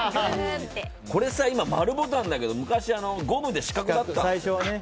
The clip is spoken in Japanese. これさ、丸ボタンだけど昔、ゴムで四角だったんだよね。